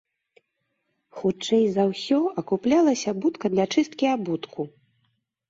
Хутчэй за ўсё акуплялася будка для чысткі абутку.